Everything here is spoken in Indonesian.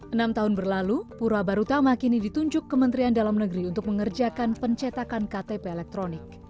enam tahun berlalu pura barutama kini ditunjuk kementerian dalam negeri untuk mengerjakan pencetakan ktp elektronik